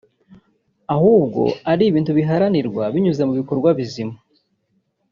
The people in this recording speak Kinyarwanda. ahubwo ari ibintu biharanirwa binyuze mu bikorwa bizima